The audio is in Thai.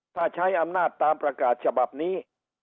ถ้าใช้อำนาจตามประกาศฉบับนี้